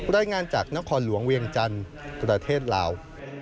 รายงานจากนครหลวงเวียงจันทร์ประเทศลาว